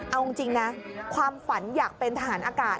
เอาจริงนะความฝันอยากเป็นทหารอากาศ